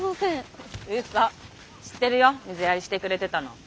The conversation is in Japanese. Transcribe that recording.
知ってるよ水やりしてくれてたの。